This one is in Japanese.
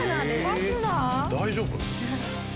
大丈夫？